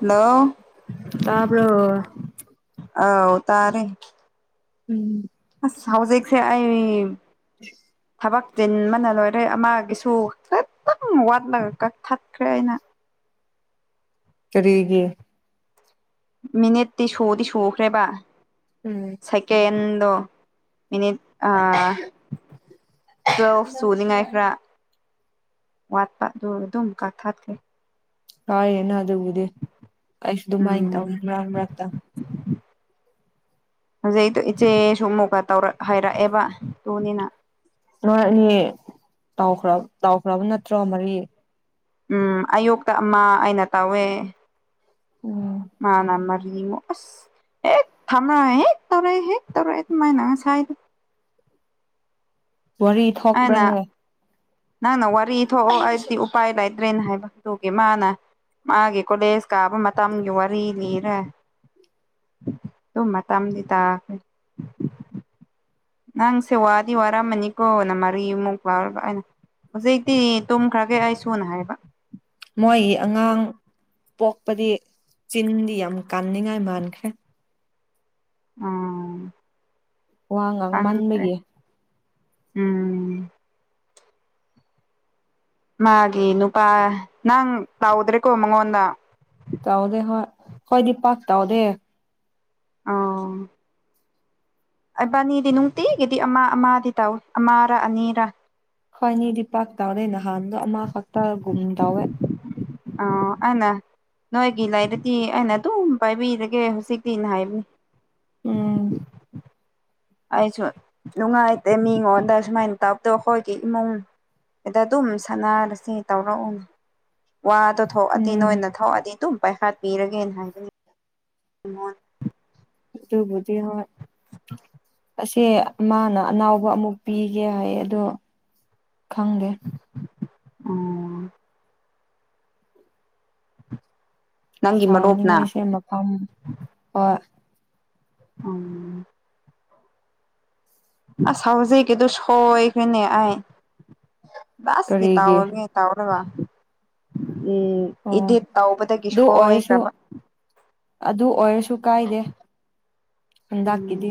Hello ꯇꯥꯕ꯭ꯔꯣ ꯑꯥꯎ ꯇꯥꯔꯦ ꯎꯝ ꯑꯁ ꯍꯧꯖꯤꯛꯁꯦ ꯑꯩ ꯂꯧꯁꯤꯟꯕ ꯉꯝꯗꯕ ꯊꯕꯛ ꯆꯤꯟꯕꯅ ꯂꯣꯏꯔꯦ ꯑꯃꯒꯤꯁꯨ ꯈꯤꯇꯪ ꯋꯥꯠꯂꯒ ꯀꯛꯊꯠꯈ꯭ꯔꯦ ꯑꯩꯅ ꯀꯔꯤꯒꯤ ꯃꯤꯅꯤꯠꯇꯤ ꯁꯨꯗꯤ ꯁꯨꯈ꯭ꯔꯦꯕ ꯎꯝ ꯁꯦꯀꯦꯟꯗꯣ ꯃꯤꯅꯤꯠ ꯑꯥ ꯇꯨꯋꯦꯜꯐ ꯁꯨꯅꯤꯡꯉꯥꯏ ꯈꯔ ꯋꯥꯠꯄ ꯑꯗꯨ ꯑꯗꯨꯝ ꯀꯥꯛꯊꯠꯈ꯭ꯔꯦ ꯀꯥꯏꯒꯤꯅꯣ ꯑꯗꯨꯕꯨꯗꯤ ꯑꯩꯁꯨ ꯑꯗꯨꯃꯥꯏ ꯎꯝ ꯇꯧꯋꯤ ꯃꯔꯛ ꯃꯔꯛꯇ ꯍꯧꯖꯤꯛꯇꯣ ꯏꯆꯦꯁꯨ ꯑꯃꯨꯛꯀ ꯇꯧꯔꯛ ꯍꯥꯏꯔꯛꯑꯦꯕ ꯇꯨꯅꯤꯅ ꯅꯣꯏ ꯑꯅꯤ ꯇꯧꯈ꯭ꯔ ꯇꯧꯈ꯭ꯔꯕ ꯅꯠꯇ꯭ꯔꯣ ꯃꯔꯤ ꯎꯝ ꯑꯌꯣꯛꯇ ꯑꯃ ꯑꯩꯅ ꯇꯧꯋꯦ ꯎꯝ ꯃꯥꯅ ꯃꯔꯤꯃꯨꯛ ꯑꯁ ꯍꯦꯛ ꯊꯝꯔ ꯍꯦꯛ ꯇꯧꯔ ꯍꯦꯛ ꯇꯧꯔ ꯑꯗꯨꯃꯥꯏꯅ ꯉꯁꯥꯏ ꯋꯥꯔꯤ ꯑꯩꯅ ꯊꯣꯛꯄ꯭ꯔꯅꯦ ꯅꯪꯅ ꯋꯥꯔꯤ ꯊꯣꯛꯑꯣ ꯑꯩꯗꯤ ꯎꯄꯥꯏ ꯂꯩꯇ꯭ꯔꯦꯅ ꯍꯥꯏꯕ ꯑꯗꯨꯒꯤ ꯃꯥꯅ ꯃꯥꯒꯤ ꯀꯣꯂꯦꯖ ꯀꯥꯕ ꯃꯇꯝꯒꯤ ꯋꯥꯔꯤ ꯂꯤꯔꯦ ꯇꯨꯃ ꯃꯇꯝꯗꯤ ꯇꯥꯈ꯭ꯔꯦ ꯅꯪ ꯁꯦ ꯋꯥꯗꯤ ꯋꯥꯔ ꯃꯅꯤ ꯀꯣꯅ ꯃꯥꯔꯤ ꯃꯨꯛ [unintelligible] ꯑꯩꯅ ꯍꯧꯖꯤꯛꯇꯤ ꯇꯨꯝꯈ꯭ꯔꯒꯦ ꯑꯩ ꯁꯨꯅ ꯍꯥꯏꯕ ꯃꯣꯏꯒꯤ ꯑꯉꯥꯡ ꯄꯣꯛꯄꯗꯤ ꯆꯤꯟꯗꯤ ꯌꯥꯝ ꯀꯥꯟꯅꯤꯡꯉꯥꯏ ꯃꯥꯟꯈ꯭ꯔꯦ ꯍꯣꯏ ꯋꯥ ꯉꯥꯡꯃꯟꯕꯒꯤ [unintelligible] ꯎꯝ ꯃꯥꯒꯤ ꯅꯨꯄꯥ ꯅꯪ ꯇꯧꯗ꯭ꯔꯦꯀꯣ ꯃꯉꯣꯟꯗ ꯇꯧꯗꯦ ꯍꯣꯏ ꯈꯣꯏꯗꯤ ꯄꯥꯛ ꯇꯧꯗꯦ ꯑꯣ ꯑꯩꯕꯥꯅꯤꯗꯤ ꯅꯨꯡꯇꯤꯒꯤꯗꯤ ꯑꯃ ꯑꯃꯗꯤ ꯇꯧꯋꯤ ꯑꯃꯔꯥ ꯑꯅꯤꯔꯥ ꯈꯣꯏꯅꯤꯗꯤ ꯄꯥꯛ ꯇꯧꯗꯩ ꯅꯍꯥꯟꯗꯣ ꯑꯃꯈꯛꯇꯥꯒꯨꯝ ꯇꯧꯋꯦ ꯑꯥꯎ ꯑꯩꯅ ꯅꯣꯏꯒꯤ ꯂꯩꯔꯗꯤ ꯑꯩꯅ ꯑꯗꯨꯝ ꯄꯥꯏꯕꯤꯔꯒꯦ ꯍꯧꯖꯤꯛꯇꯤꯅ ꯍꯥꯏꯕꯅꯦ ꯎꯝ ꯑꯩꯁꯨ ꯅꯨꯡꯉꯥꯏꯇꯦ ꯃꯤꯉꯣꯟꯗ ꯁꯨꯃꯥꯏꯅ ꯇꯧꯕꯇꯣ ꯑꯈꯣꯏꯒꯤ ꯏꯃꯨꯡ ꯑꯩꯗꯤ ꯑꯗꯨꯝ ꯁꯥꯟꯅꯔꯁꯤ ꯇꯧꯔꯛꯎꯅꯤ ꯋꯥꯗꯣ ꯊꯣꯛꯑꯗꯤ ꯎꯝ ꯅꯣꯏꯅ ꯊꯣꯛꯑꯗꯤ ꯑꯗꯨꯝ ꯄꯥꯏꯈꯠꯄꯤꯔꯒꯦꯅ ꯍꯥꯏꯕꯅꯤ ꯉꯣꯟ ꯑꯗꯨꯕꯨꯗꯤ ꯍꯣꯏ꯫ ꯑꯁꯦ ꯃꯥꯅ ꯑꯅꯥꯎꯕ ꯑꯃꯨꯛ ꯄꯤꯒꯦ ꯍꯥꯏꯌꯦ ꯑꯗꯣ ꯈꯪꯗꯦ ꯎꯝ ꯅꯪꯒꯤ ꯃꯔꯨꯞꯅ ꯊꯥꯅꯤꯡꯉꯥꯏꯁꯦ ꯃꯐꯝ ꯍꯣꯏ ꯂꯧꯁꯤꯟꯕ ꯉꯝꯗꯕ ꯑꯁ ꯍꯧꯖꯤꯛꯀꯤꯗꯣ ꯁꯣꯏꯈ꯭ꯔꯦꯅꯦ ꯑꯩ ꯂꯥꯁꯀꯤ ꯀꯔꯤꯒꯤ ꯇꯧꯔꯤ ꯇꯧꯔꯒ ꯎꯝ ꯑꯣ ꯏꯗꯤꯠ ꯇꯧꯕꯗꯒꯤ ꯑꯗꯨ ꯑꯣꯏꯔꯁꯨ ꯁꯣꯏꯈ꯭ꯔꯕ꯫ ꯑꯗꯨ ꯑꯣꯏꯔꯁꯨ ꯀꯥꯏꯗꯦ ꯎꯝ ꯍꯟꯗꯥꯛꯀꯤꯗꯤ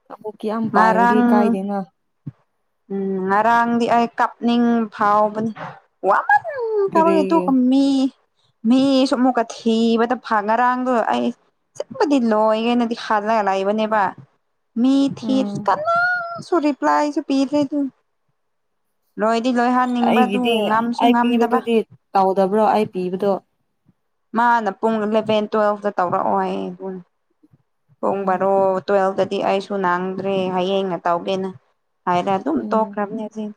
[unintelligible] ꯄꯥꯏꯔꯗꯤ ꯉꯔꯥꯡ ꯀꯥꯏꯗꯦꯅ ꯎꯝ ꯉꯔꯥꯡꯗꯤ ꯑꯩ ꯀꯞꯅꯤꯡ ꯐꯥꯎꯕꯅꯤ ꯋꯥꯃꯟ ꯈꯔꯕꯒꯤ ꯀꯔꯤꯒꯤ ꯇꯨꯝꯃꯤ ꯃꯤꯁꯨ ꯑꯃꯨꯛꯀ ꯊꯤꯕꯗ ꯐ ꯉꯔꯥꯡꯗꯣ ꯑꯩ ꯑꯁꯦꯡꯕꯗꯤ ꯂꯣꯏꯒꯦꯅꯗꯤ ꯍꯥꯜꯂꯒ ꯂꯩꯕꯅꯦꯕ ꯃꯤ ꯊꯤ ꯎꯝ [unintelligible] ꯀꯅꯥꯁꯨ ꯔꯤꯄ꯭꯭ꯂꯥꯏꯁꯨ ꯄꯤꯗꯦ ꯗꯨꯅꯤ ꯂꯣꯏꯗꯤ ꯂꯣꯏꯍꯟ ꯇꯨꯝꯅꯤꯡꯕꯗꯨ ꯉꯝꯁꯨ ꯉꯥꯝꯗꯕ ꯀꯧꯗꯕ꯭ꯔꯣ ꯑꯩ ꯄꯤꯕꯗꯣ ꯃꯥꯅ ꯄꯨꯡ ꯏꯂꯚꯦꯟ ꯇꯨꯋꯦꯜꯐꯇ ꯇꯧꯔꯛꯑꯣ ꯍꯥꯏꯌꯦ ꯑꯗꯨꯅ ꯄꯨꯡ ꯎꯝ ꯕꯥꯔꯣ ꯇꯨꯋꯦꯜꯇꯗꯤ ꯑꯩꯁꯨ ꯅꯥꯡꯗ꯭ꯔꯦ ꯍꯌꯦꯡꯅ ꯇꯧꯒꯦꯅ ꯍꯥꯏꯔ ꯑꯗꯨꯝ ꯎꯝ ꯇꯣꯛꯈ꯭ꯔꯝꯅꯤ ꯑꯗꯨꯏ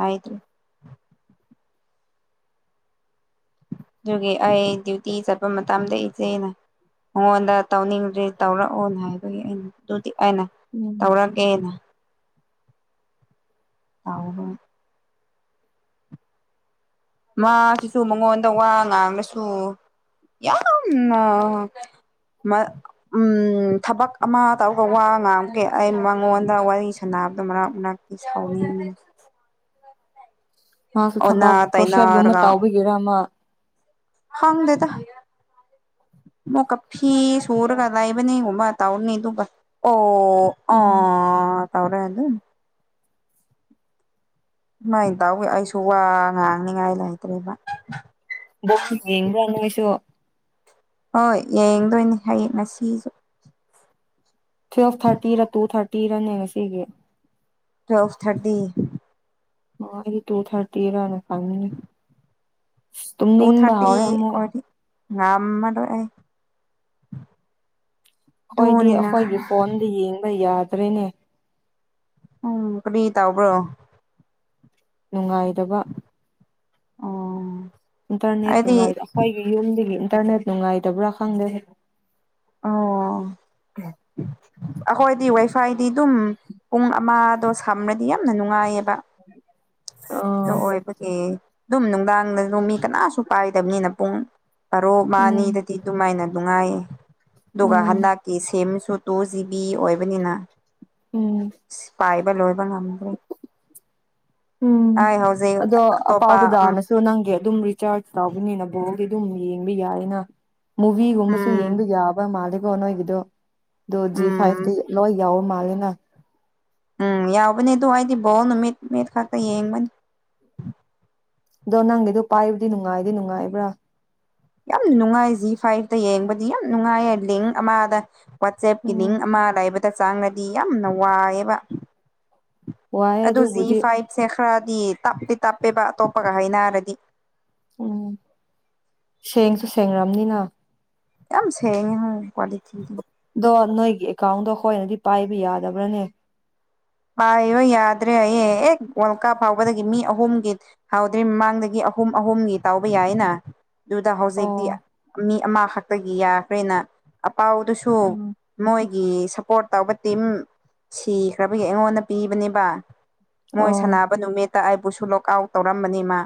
ꯍꯥꯏꯗ꯭ꯔꯤ ꯑꯗꯨꯒꯤ ꯑꯩ ꯗ꯭ꯌꯨꯇꯤ ꯆꯠꯄ ꯃꯇꯝꯗ ꯏꯆꯦꯅ ꯃꯉꯣꯟꯗ ꯇꯧꯅꯤꯡꯗꯔꯦ ꯇꯧꯔꯛꯑꯣꯅ ꯍꯥꯏꯕꯒꯤ ꯑꯩꯅ ꯑꯗꯨꯗꯤ ꯑꯩꯅ ꯎꯝ ꯇꯧꯔꯛꯀꯦꯅ ꯇꯥꯎꯗꯨꯡ ꯃꯥꯀꯤꯁꯨ ꯃꯉꯣꯟꯗ ꯋꯥ ꯉꯥꯡꯉꯁꯨ ꯌꯥꯝꯅ ꯃ [unintelligible] ꯎꯝ ꯊꯕꯛ ꯑꯃ ꯇꯧꯕ ꯋꯥ ꯉꯥꯡꯕꯒꯤ ꯑꯩ ꯃꯉꯣꯟꯗ ꯋꯥꯔꯤ ꯁꯥꯟꯅꯕꯗꯣ ꯃꯔꯛ ꯃꯔꯛ ꯁꯥꯎꯅꯤꯡꯏ ꯃꯥꯁꯨ ꯑꯣꯟꯅ ꯊꯕꯥꯛ ꯀ꯭ꯔꯣꯁꯠꯒꯨꯝꯕ ꯇꯩꯅꯔꯒ ꯇꯧꯕꯒꯤꯔꯥ ꯑꯃ ꯍꯪꯗꯦꯗ ꯑꯃꯨꯛꯀ ꯐꯤ ꯁꯨꯔꯒ ꯂꯩꯕꯅꯦ ꯒꯨꯕ ꯇꯧꯅꯤ ꯑꯗꯨꯒ ꯑꯣ ꯎꯝ ꯑꯣ ꯇꯧꯔꯦ ꯑꯗꯨꯝ ꯁꯨꯃꯥꯏꯅ ꯇꯧꯋꯤ ꯑꯩꯁꯨ ꯋꯥ ꯉꯥꯡꯅꯤꯉꯥꯏ ꯂꯩꯇ꯭ꯔꯦꯕ ꯕꯣꯜ ꯌꯦꯡꯕ꯭ꯔꯥ ꯅꯣꯏꯁꯨ ꯍꯣꯏ ꯌꯦꯡꯗꯣꯏꯅꯦ ꯍꯌꯦꯡ ꯉꯁꯤꯖꯨ ꯇꯨꯋꯦꯜꯐ ꯊꯥꯔꯇꯤꯔ ꯇꯨ ꯊꯥꯔꯇꯤꯔꯅꯦ ꯉꯁꯤꯒꯤ ꯇ꯭ꯋꯦꯜꯞ ꯊꯥꯔꯇꯤ ꯑꯣ ꯑꯩꯗꯤ ꯇꯨ ꯊꯥꯔꯇꯤꯔꯅ ꯈꯥꯟꯕꯅꯤ ꯑꯁ ꯇꯨ ꯇꯨꯝꯅꯤꯡꯕ ꯍꯧꯔꯦ ꯊꯥꯔꯇꯤ ꯑꯃꯨꯛ ꯑꯣꯏꯔꯗꯤ ꯉꯝꯃꯔꯣꯏ ꯑꯩ ꯑꯩꯏꯗꯤ ꯑꯗꯨꯅꯤꯅ ꯑꯩꯈꯣꯏꯒꯤ ꯈꯔ ꯐꯣꯟꯗ ꯌꯦꯡꯕ ꯌꯥꯗ꯭ꯔꯦꯅꯦ꯫ ꯎꯝ ꯀꯔꯤ ꯇꯥꯎꯕ꯭ꯔꯣ ꯅꯨꯡꯉꯥꯏꯗꯕ ꯑꯣ ꯏꯟꯇꯔꯅꯦꯠ ꯑꯩꯗꯤ ꯅꯨꯡꯉꯥꯏ ꯑꯈꯣꯏꯒꯤ ꯌꯨꯝꯗꯒꯤ ꯏꯟꯇꯔꯅꯦꯠ ꯅꯨꯡꯉꯥꯏꯇꯕ꯭ꯔꯥ ꯈꯪꯗꯦꯍꯦ ꯑꯣ ꯑꯩꯈꯣꯏꯗꯤ ꯋꯥꯏꯐꯥꯏꯗꯤ ꯑꯗꯨꯝ ꯄꯨꯡ ꯑꯃꯗꯣ ꯁꯝꯔꯗꯤ ꯌꯥꯝꯅ ꯅꯨꯡꯉꯥꯏꯌꯦꯕ [inaudible] ꯗꯨ ꯎꯝ ꯑꯣꯏꯕꯒꯤ ꯗꯨꯝ ꯅꯨꯡꯗꯥꯡꯗꯁꯨ ꯃꯤ ꯀꯅꯥꯁꯨ ꯄꯥꯏꯗꯕꯅꯤꯅ ꯄꯨꯡ ꯑꯔꯣ ꯃꯥꯅꯤꯗꯗꯤ ꯑꯗꯨꯃꯥꯏꯅ ꯅꯨꯡꯉꯥꯏꯌꯦ ꯑꯗꯨꯒ ꯎꯝ ꯍꯟꯗꯛꯀꯤ ꯁꯦꯝꯁꯨ ꯇꯨ ꯖꯤꯕꯤ ꯑꯣꯏꯕꯅꯤꯅ ꯎꯝ ꯄꯥꯏꯕ ꯂꯣꯏꯕ ꯉꯝꯗ꯭ꯔꯦ ꯎꯝ ꯑꯩ ꯍꯧꯖꯤꯛ ꯑꯗꯣ ꯑꯇꯣꯞꯄ ꯎꯝ ꯑꯄꯥꯎꯗꯨꯗꯥꯅꯁꯨ [unintelligible] ꯅꯪꯒꯤ ꯑꯗꯨꯝ ꯆꯥꯔꯖ ꯇꯥꯎꯕꯅꯤꯅ ꯕꯣꯜꯗꯤ ꯑꯗꯨꯝ ꯌꯦꯡꯕ ꯌꯥꯏꯌꯦꯅ ꯃꯨꯚꯤꯒꯨꯝꯕꯁꯨ ꯎꯝ ꯌꯦꯡꯕ ꯌꯥꯕ ꯃꯥꯜꯂꯦꯀꯣ ꯅꯣꯏꯒꯤꯗꯣ ꯗꯣ ꯖꯤ ꯐꯥꯏꯚꯇꯤ ꯎꯝ ꯂꯣꯏ ꯌꯥꯎ ꯃꯥꯜꯂꯦꯅ ꯎꯝ ꯌꯥꯎꯕꯅꯦ ꯑꯗꯨ ꯑꯩꯗꯤ ꯕꯣꯜ ꯅꯨꯃꯤꯠ ꯅꯨꯃꯤꯠ ꯈꯛꯇ ꯌꯦꯡꯕꯅꯤ ꯑꯗꯣ ꯅꯪꯒꯤꯗꯣ ꯄꯥꯏꯕꯗꯤ ꯅꯨꯡꯉꯥꯏꯗꯤ ꯅꯨꯡꯉꯥꯏꯕ꯭ꯔꯥ ꯌꯥꯝ ꯅꯨꯡꯉꯥꯏ ꯖꯤ ꯐꯥꯏꯚꯇ ꯌꯦꯡꯕꯗꯤ ꯌꯥꯝ ꯅꯨꯡꯉꯥꯏꯌꯦ ꯂꯤꯡ ꯑꯃꯥꯗ ꯋꯥꯆꯦꯞꯀꯤ ꯎꯝ ꯂꯤꯡ ꯑꯃ ꯂꯩꯥꯏꯕꯗ ꯆꯪꯔꯗꯤ ꯌꯥꯝꯅ ꯋꯥꯏꯑꯦꯕ ꯋꯥꯏꯑꯦ ꯑꯗꯨ ꯖꯤ ꯑꯗꯨꯕꯨꯗꯤ ꯐꯥꯏꯚꯁꯦ ꯈꯔꯗꯤ ꯇꯞꯇꯤ ꯇꯞꯄꯦꯕ ꯑꯇꯣꯞꯄꯒ ꯍꯥꯏꯅꯔꯗꯤ ꯎꯝ ꯁꯦꯡꯁꯨ ꯁꯦꯡꯔꯝꯅꯤꯅ ꯌꯥꯝ ꯁꯦꯡꯉꯦ ꯍꯥꯏ ꯀ꯭ꯋꯥꯂꯤꯇꯤꯗꯤ ꯑꯗꯣ ꯅꯣꯏꯒꯤ ꯑꯦꯀꯥꯎꯟꯗꯣ ꯑꯩꯈꯣꯏꯅꯗꯤ ꯄꯥꯏꯕ ꯌꯥꯗꯕ꯭ꯔꯥꯅꯦ ꯄꯥꯏꯔꯣ ꯌꯥꯗ꯭ꯔꯦ ꯍꯥꯏꯌꯦ ꯍꯦꯛ ꯋꯥꯜ ꯀꯥꯞ ꯍꯧꯕꯗꯒꯤ ꯃꯤ ꯑꯍꯨꯝꯒꯤ ꯍꯥꯎꯗ꯭ꯔꯤ ꯃꯃꯥꯡꯗꯒꯤ ꯑꯍꯨꯝ ꯑꯍꯨꯝꯒꯤ ꯇꯥꯎꯕ ꯌꯥꯏꯌꯦꯅ ꯑꯗꯨꯗ ꯍꯧꯖꯤꯛꯇꯤ ꯑꯣ ꯃꯤ ꯑꯃꯈꯛꯇꯒꯤ ꯌꯥꯈ꯭ꯔꯦꯅ ꯑꯄꯥꯎꯗꯨꯁꯨ ꯎꯝ ꯃꯣꯏꯒꯤ ꯁꯞꯄꯣꯔꯠ ꯇꯧꯕ ꯇꯤꯝ ꯁꯤꯈ꯭ꯔꯕ ꯑꯩꯒꯤ ꯑꯩꯉꯣꯟꯗ ꯄꯤꯕꯅꯦꯕ ꯃꯣꯏ ꯑꯣ ꯁꯥꯟꯅꯕ ꯅꯨꯃꯤꯠ꫰꫰ ꯇ ꯑꯩꯕꯨꯁꯨ ꯂꯣꯛ ꯑꯥꯎꯠ ꯇꯧꯔꯝꯃꯥꯅꯤ ꯃꯥ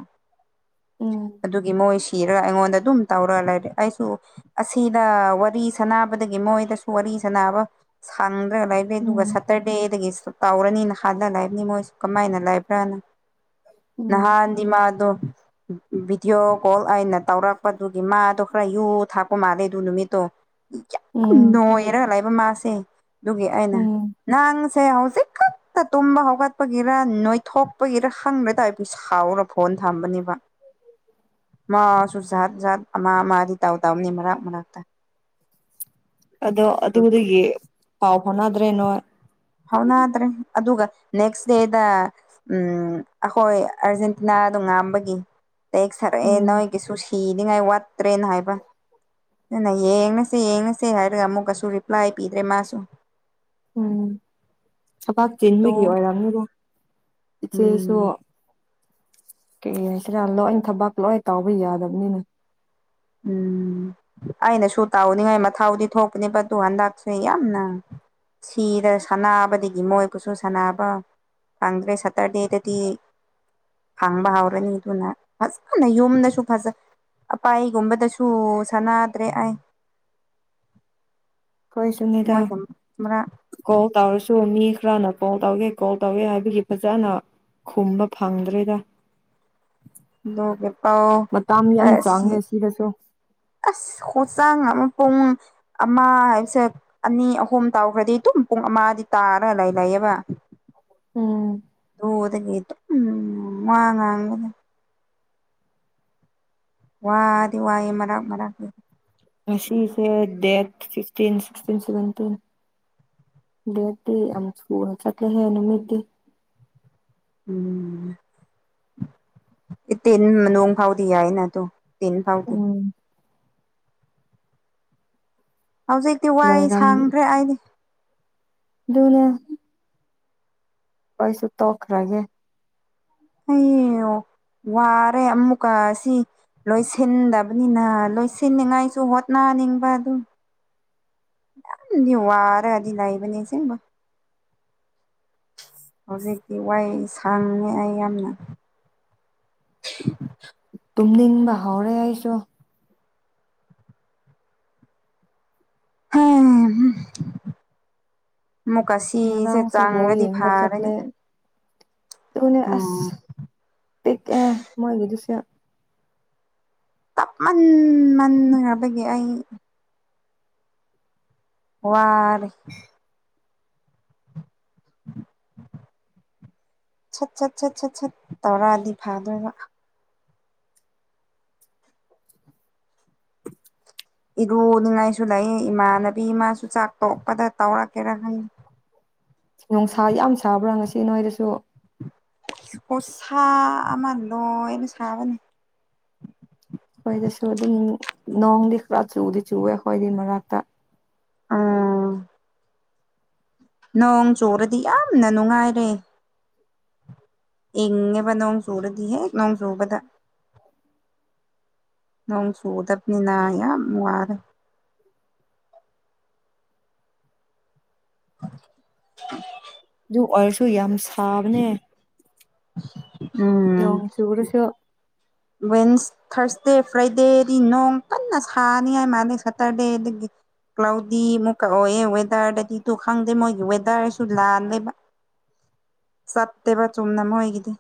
ꯎꯝ ꯑꯗꯨꯒꯤ ꯃꯣꯏ꯫ ꯀꯤꯔꯒ ꯑꯩꯉꯣꯟꯗ ꯑꯗꯨꯝ ꯇꯧꯔꯒ ꯂꯩꯔꯦ ꯑꯩꯁꯨ꯫ ꯑꯁꯤꯗ ꯋꯥꯔꯤ ꯁꯅꯕꯗꯒꯤ ꯃꯣꯏꯗꯁꯨ ꯋꯥꯔꯤ ꯁꯥꯅꯕ ꯁꯥꯡꯗ꯭ꯔꯒ ꯂꯩꯔꯦ꯫ ꯂꯦ ꯑꯗꯨꯒ ꯎꯝ ꯁꯇꯔꯗꯦꯗꯒꯤꯁꯨ ꯇꯧꯔꯅꯤꯅ ꯍꯥꯜꯂ ꯂꯩꯕꯅꯤ ꯃꯣꯏꯁꯨ ꯀꯃꯥꯏꯅ ꯂꯩꯕ꯭ꯔꯥꯅ ꯎꯝ ꯅꯍꯥꯟꯗꯤ ꯃꯥꯗꯣ ꯚꯤꯗꯤꯑꯣ ꯀꯣꯜ ꯑꯩꯅ ꯇꯧꯔꯛꯄꯗꯨꯒꯤ ꯃꯥꯗꯣ ꯈꯔ ꯌꯨ ꯊꯥꯛꯄ ꯃꯥꯜꯂꯦ ꯑꯗꯨ ꯅꯨꯃꯤꯠꯇꯣ꯫ ꯌꯥꯝ ꯎꯝ ꯅꯣꯏꯔ ꯂꯩꯕ ꯃꯥꯁꯦ ꯑꯗꯨꯒꯤ ꯑꯩꯅ ꯎꯝ ꯅꯪꯁꯦ ꯍꯧ [inaudible] ꯇꯨꯝꯕ ꯍꯧꯒꯠꯄꯒꯤꯔ ꯅꯣꯏꯊꯣꯛꯄꯒꯤꯔ ꯈꯪꯗ꯭ꯔꯦ [unintelligible] ꯁꯥꯎꯔ ꯐꯣꯟ ꯊꯝꯕꯅꯦꯕ [inaudible] ꯃꯥꯁꯨ ꯖꯥꯠ ꯖꯥꯠ ꯑꯃ ꯑꯃꯗꯤ ꯇꯧꯗꯝꯅꯤ ꯃꯔꯛ ꯃꯔꯛꯇ ꯑꯗꯣ ꯑꯗꯨ ꯑꯗꯨꯒꯤ ꯄꯥꯎ ꯐꯥꯎꯅꯗ꯭ꯔꯦ ꯅꯣꯏ ꯍꯧꯅꯗ꯭ꯔꯦ ꯑꯗꯨꯒ ꯅꯦꯛꯁ ꯗꯦꯗ ꯎꯝ ꯑꯩꯈꯣꯏ ꯑꯥꯔꯖꯦꯟꯇꯤꯅꯗꯣ ꯉꯥꯝꯕꯒꯤ ꯇꯦꯛꯁ ꯊꯥꯔꯛꯑꯦ ꯎꯝ ꯅꯣꯏꯒꯤꯁꯨ ꯁꯤꯅꯤꯉꯥꯏ ꯋꯥꯠꯇ꯭ꯔꯦꯅ ꯍꯥꯏꯕ ꯑꯩꯅ ꯌꯦꯡꯉꯁꯦ ꯌꯦꯡꯉꯁꯦ ꯍꯥꯏꯔꯒ ꯑꯃꯨꯛꯀꯁꯨ ꯔꯤꯄ꯭ꯂꯥꯏ ꯄꯤꯗ꯭ꯔꯦ ꯃꯥꯁꯨ ꯎꯝ ꯊꯕꯥꯛ ꯑꯗꯨ ꯆꯤꯟꯕꯒꯤ ꯑꯣꯏꯔꯝꯅꯤꯗ ꯏꯆꯦꯁꯨ ꯎꯝ ꯀꯩ ꯍꯥꯏꯁꯤꯔ ꯂꯣꯏ ꯊꯕꯛ ꯂꯣꯏ ꯇꯥꯎꯕ ꯌꯥꯗꯕꯅꯤꯅ ꯎꯝ ꯑꯩꯅꯁꯨ ꯇꯥꯎꯅꯤꯡꯉꯥꯏ ꯃꯊꯥꯎꯗꯤ ꯊꯣꯛꯄꯅꯦꯕ ꯑꯗꯨ ꯍꯟꯗꯛꯁꯦ ꯌꯥꯝꯅ ꯁꯤꯗ ꯁꯥꯟꯅꯕꯗꯒꯤ ꯃꯣꯏꯕꯨꯁꯨ ꯁꯥꯟꯅꯕ꯫ ꯅꯪꯗ꯭ꯔꯦ ꯁꯇ꯭ꯔꯗꯦꯗꯗꯤ꯫ ꯍꯥꯡꯕ ꯍꯧꯔꯅꯤ ꯑꯗꯨꯅ ꯐꯖꯅ ꯌꯨꯝꯗꯁꯨ ꯐꯖ ꯑꯥꯄꯥꯏ ꯒꯨꯝꯕꯗꯁꯨ ꯁꯥꯟꯅꯗ꯭ꯔꯦ ꯑꯩ ꯑꯩꯈꯣꯏ ꯁꯨꯅꯤꯗ ꯃꯣꯏꯅ ꯃꯔꯛ ꯀꯣꯜ ꯇꯧꯔꯁꯨ ꯃꯤ ꯈꯔꯅ ꯀꯣꯜ ꯇꯧꯒꯦ ꯀꯣꯜ ꯇꯧꯒꯦ ꯍꯥꯏꯕꯒꯤ ꯐꯖꯅ ꯈꯨꯝꯕ ꯐꯪꯗ꯭ꯔꯦꯗ ꯂꯒꯦ ꯄꯥꯎꯑꯣ ꯃꯇꯝ ꯌꯥꯝ ꯑꯁꯤ ꯆꯪꯉꯦ ꯁꯤꯗꯁꯨ ꯑꯁ ꯍꯣꯆꯥꯡ ꯑꯃ ꯄꯨꯡ ꯑꯃ ꯍꯥꯏꯕꯁꯦ ꯑꯅꯤ ꯑꯍꯨꯝ ꯇꯧꯈ꯭ꯔꯗꯤ ꯑꯗꯨꯝ ꯄꯨꯡ ꯑꯃ ꯇꯥꯔ ꯂꯩ ꯂꯩꯌꯦꯕ ꯎꯝ ꯑꯗꯨꯗꯒ ꯎꯝ ꯋꯥ ꯉꯥꯡ ꯋꯥꯗꯤ ꯋꯥꯌꯦ ꯃꯔꯥꯛ ꯃꯔꯥꯛ ꯉꯁꯤꯁꯦ ꯗꯦꯠ ꯐꯤꯞꯇꯤꯟ ꯁꯤꯛꯁꯇꯤꯟ ꯁꯚꯦꯟꯇꯤꯟ ꯗꯦꯠꯇꯤ ꯑꯃꯨꯛ ꯊꯨꯅ ꯆꯠꯂꯦꯍꯦ ꯅꯨꯃꯤꯠꯇꯤ ꯎꯝ ꯏꯇꯦꯟ ꯃꯥꯅꯨꯡ ꯐꯥꯎꯗꯤ ꯌꯥꯏꯅ ꯑꯗꯨ ꯇꯤꯟ ꯐꯥꯎꯇ ꯎꯝ ꯍꯧꯖꯤꯛꯇꯤ ꯋꯥꯏ ꯂꯩꯔꯝ ꯁꯥꯡꯗ꯭ꯔꯦ ꯑꯩꯗꯤ ꯑꯗꯨꯅ ꯄꯩꯁꯨ ꯇꯣꯛꯈ꯭ꯔꯒꯦ ꯑꯩꯌꯦꯡ ꯋꯥꯔꯦ ꯑꯃꯨꯛꯀꯥ ꯑꯁꯤ ꯂꯣꯏꯁꯤꯟꯗꯕꯅꯤꯅ ꯂꯣꯏꯁꯤꯟꯅꯤꯉꯥꯏꯁꯨ ꯍꯣꯠꯅꯅꯤꯡꯕ ꯑꯗꯨꯝ ꯌꯥꯝꯗꯤ ꯋꯥꯔꯒꯗꯤ ꯂꯩꯕꯅꯦ ꯑꯁꯦꯡꯕ ꯍꯧꯖꯤꯛꯇꯤ ꯋꯥꯏ ꯁꯥꯡꯉꯦ ꯑꯩ ꯌꯥꯝꯅ [unintelligible] ꯇꯨꯝꯅꯤꯡꯕ ꯍꯧꯔꯦ ꯑꯩꯁꯨ ꯎꯝ ꯑꯃꯨꯛꯀ ꯁꯤꯁꯦ ꯉꯔꯥꯡꯁꯨ ꯕꯣꯜ ꯆꯡꯂꯗꯤ ꯌꯦꯡꯕ ꯐꯔꯅꯤ ꯆꯠꯂꯦ ꯑꯗꯨꯅꯦ ꯎꯝ ꯑꯁ ꯄꯤꯛꯑꯦ ꯃꯣꯏꯒꯤꯗꯨꯁꯨ ꯇꯞ ꯃꯟꯃꯟꯈ꯭ꯔꯕꯒꯤ ꯑꯩ ꯋꯥꯔꯦ ꯁꯠ ꯁꯠ ꯁꯠ ꯁꯠ ꯁꯠ ꯇꯧꯔꯛꯑꯥꯗꯤ ꯐꯥꯗꯣꯏꯕ ꯏꯔꯨꯅꯤꯡꯉꯥꯏꯁꯨ ꯂꯩꯌꯦ ꯏꯃꯥꯟꯅꯕꯤ ꯃꯥꯁꯨ ꯆꯥꯛ ꯇꯣꯛꯄꯗ ꯇꯧꯔꯛꯀꯦꯔꯥ ꯈꯪꯗꯦ ꯅꯨꯡꯁꯥ ꯌꯥꯝ ꯁꯥꯕ꯭ꯔꯥ ꯉꯁꯤ ꯅꯣꯏꯗꯁꯨ ꯄꯣ ꯁꯥ ꯑꯃ ꯂꯣꯏꯅ ꯁꯥꯕꯅꯤ ꯑꯩꯈꯣꯏꯗꯁꯨ ꯑꯗꯨꯝ ꯅꯣꯡꯗꯤ ꯈꯔ ꯆꯨꯗꯤ ꯆꯨꯋꯦ ꯑꯩꯈꯣꯏꯗꯤ ꯃꯔꯛꯇ ꯑꯥ ꯅꯣꯡ ꯆꯨꯨꯔꯗꯤ ꯌꯥꯝꯅ ꯅꯨꯡꯉꯥꯏꯔꯦ ꯏꯡꯉꯦꯕ ꯅꯣꯡ ꯆꯨꯔꯗꯤ ꯍꯦꯛ ꯅꯣꯡ ꯆꯨꯕꯗ ꯅꯣꯡ ꯁꯨꯗꯕꯅꯤꯅ ꯌꯥꯝꯅ ꯋꯥꯔꯦ [unintelligible] ꯑꯗꯨ ꯑꯣꯏꯔꯁꯨ ꯌꯥꯝ ꯁꯥꯕꯅꯦ INAUDIBLE ꯅꫭꯡ ꯆꯨꯔꯁꯨ ꯋꯦꯟꯁ ꯊꯔꯁꯗꯦ ꯐ꯭ꯔꯥꯏꯗꯦꯗꯤ ꯅꯣꯡ ꯀꯟꯅ ꯁꯥꯅꯤꯡꯉꯥꯏ ꯃꯥꯜꯂꯦ ꯁꯇꯔꯗꯦꯗꯒꯤ ꯀ꯭ꯂꯥꯎꯗꯤ ꯑꯃꯨꯛꯀ ꯑꯣꯏꯌꯦ ꯋꯦꯗꯔꯗꯗꯤ ꯇꯨ ꯈꯪꯗꯦ ꯃꯣꯏꯒꯤ ꯋꯦꯗꯔꯁꯨ ꯂꯥꯜꯂꯦꯕ [unintelligible] ꯆꯠꯇꯦꯕ ꯆꯨꯝꯅ ꯃꯣꯏꯗꯤ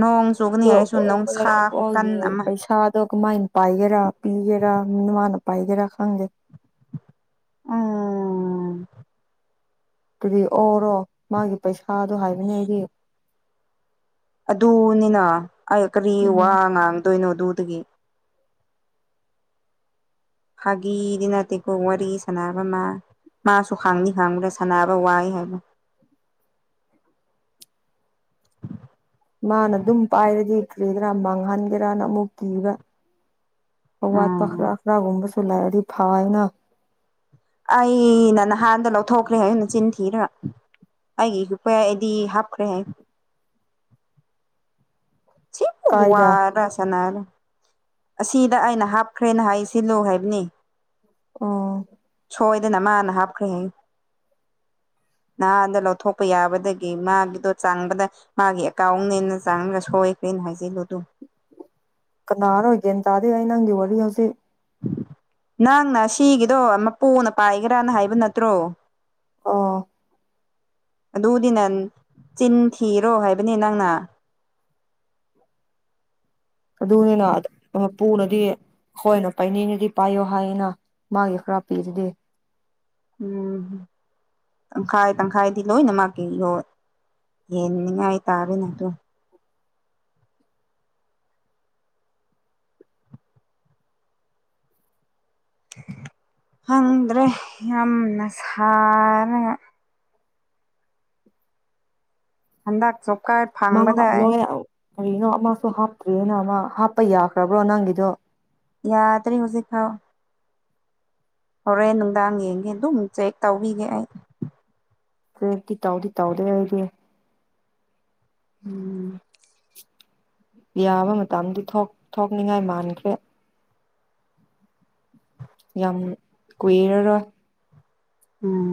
ꯅꯣꯡ ꯆꯣꯛꯒꯅꯤ ꯑꯗꯣ ꯍꯥꯏꯔꯁꯨ ꯑꯩꯈꯣꯏ ꯅꯪ ꯁꯥ ꯍꯨꯀꯟ ꯑꯃ ꯑꯗꯣ ꯀꯃꯥꯏꯅ ꯄꯥꯏꯒꯦꯔꯥ ꯄꯤꯒꯦꯔ ꯅꯃꯅ ꯄꯥꯏꯒꯦꯔꯥ ꯈꯪꯗꯦ ꯎꯝ ꯑꯗꯨꯗꯤ ꯑꯣꯔꯣ ꯃꯥꯒꯤ ꯄꯩꯁꯥꯗꯣ ꯍꯥꯏꯕꯅꯦ ꯑꯩꯗꯤ ꯑꯗꯨꯅꯤꯅ ꯑꯩ ꯀꯔꯤ ꯋꯥ ꯎꯝ ꯉꯥꯡꯗꯣꯏꯅꯣ ꯑꯗꯨꯗꯒꯤ ꯐꯥꯒꯤꯗꯤ ꯅꯠꯇꯦ ꯀꯣ ꯋꯥꯔꯤ ꯁꯥꯟꯅꯕ ꯑꯃ ꯃꯥꯁꯨ ꯍꯥꯡꯅꯤ ꯍꯥꯡꯕꯗꯥ ꯁꯥꯟꯅꯕ ꯋꯥꯏ ꯍꯥꯏꯕꯅꯦ ꯃꯥꯅ ꯑꯗꯨꯝ ꯄꯥꯏꯔꯗꯤ ꯀꯔꯤꯗꯔꯥ ꯃꯥꯡꯍꯟꯒꯦꯔꯅ ꯑꯃꯨꯛ ꯀꯤꯕ꯭ꯔꯥ ꯑꯋꯥꯠꯄ ꯈ꯭ꯔ ꯎꯝ ꯈ꯭ꯔꯥꯒꯨꯝꯕꯁꯨ ꯂꯥꯛꯑꯗꯤ ꯐꯩ ꯍꯥꯏꯅ ꯑꯩꯅ ꯅꯍꯥꯟꯗ ꯂꯧꯊꯣꯛꯈ꯭ꯔꯦ ꯑꯩꯅ ꯆꯤꯟ ꯊꯤꯔꯒ ꯑꯩꯒꯤ ꯏꯨꯄꯥꯌꯥ ꯑꯩ ꯗꯤ ꯍꯥꯞꯈ꯭ꯔꯦ ꯍꯥꯏꯌꯨ ꯁꯤꯕꯨ ꯀꯥꯏꯗ ꯋꯥꯔꯁꯅꯔ ꯑꯁꯤꯗ ꯑꯩꯅ ꯍꯥꯞꯈ꯭ꯔꯦꯅ ꯍꯥꯏꯁꯤ ꯂꯨ ꯍꯥꯏꯕꯅꯤ ꯑꫭ ꯁꯣꯏꯗꯅ ꯃꯥꯅ ꯍꯥꯞꯈ꯭ꯔꯦ ꯍꯥꯏ INAUDIBLE ꯅꯍꯥꯟꯗ ꯂꯧꯊꯣꯛꯄ ꯌꯥꯕꯗꯒꯤ ꯃꯥꯒꯤꯗꯣ ꯆꯥꯡꯕꯗ ꯃꯥꯒꯤ ꯑꯦꯀꯥꯎꯟꯅꯦꯅ ꯆꯥꯡꯉꯒ ꯁꯣꯏꯈꯥꯔꯦꯅ ꯍꯥꯏꯖꯤꯜꯂꯨ ꯑꯗꯨꯝ ꯀꯅꯥꯔ ꯒꯤꯌꯥꯟ ꯇꯥꯗꯦ ꯑꯩ ꯅꯪꯒꯤ ꯋꯥꯔꯤ ꯍꯧꯖꯤꯛ ꯅꯪꯅ ꯁꯤꯒꯤꯗꯣ ꯃꯄꯨꯅ ꯄꯥꯏꯒꯦꯔꯥꯅ ꯍꯥꯏꯕ ꯅꯠꯇ꯭ꯔꯣ ꯑꫭ ꯑꯗꯨꯗꯤ ꯅꯪ ꯆꯤꯟ ꯊꯤꯔꯣ ꯍꯥꯏꯕꯅꯤ ꯅꯪꯅ ꯑꯗꯨꯅꯤꯅ ꯄꯨꯅꯗꯤ ꯑꯈꯣꯏꯅ ꯄꯥꯏꯅꯤꯡꯂꯗꯤ ꯄꯥꯏꯌꯣ ꯍꯥꯏꯌꯦꯅ ꯃꯥꯒꯤ ꯈꯔ ꯄꯤꯔꯗꯤ ꯎꯝ ꯇꯪꯈꯥꯏ ꯇꯪꯈꯥꯏꯗꯤ ꯂꯣꯏꯅꯃꯛꯀꯤ ꯌꯦꯟꯅꯤꯡꯉꯥꯏ ꯇꯥꯔꯦꯅꯩ ꯑꯗꯨ ꯈꯪꯗ꯭ꯔꯦ ꯌꯥꯝꯅ ꯁꯥꯔꯒ ꯍꯟꯗꯛ ꯆꯣꯞꯀꯥꯔ ꯃꯥ ꯐꯥꯡꯕꯗꯏ ꯂꯣꯏ ꯀꯔꯤꯅꯣ ꯑꯃꯁꯨ ꯍꯥꯞꯇ꯭ꯔꯤꯅ ꯃꯥ ꯍꯥꯞꯄ ꯌꯥꯈ꯭ꯔꯕ꯭ꯔꯣ ꯅꯪꯒꯤꯗꯣ ꯌꯥꯗ꯭ꯔꯤ ꯍꯧꯖꯤꯛ ꯐꯥꯎ ꯍꯣꯔꯦꯟ ꯅꯨꯡꯗꯥꯡ ꯌꯦꯡꯒꯦ ꯑꯗꯨꯝ ꯆꯦꯛ ꯇꯧꯕꯤꯒꯦ ꯑꯩ UNINTELLIGIBLE ꯇꯥꯎꯗꯤ ꯇꯥꯎꯗ ꯑꯩꯗꯤ ꯎꯝ ꯌꯥꯕ ꯃꯇꯝꯗꯤ ꯊꯣꯛꯅꯤꯡꯉꯥꯏ ꯃꯥꯟꯈ꯭ꯔꯦ ꯌꯥꯝ ꯀꯨꯏꯔꯔꯣꯏ ꯎꯝ